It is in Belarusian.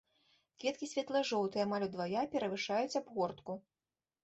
Кветкі светла-жоўтыя, амаль удвая перавышаюць абгортку.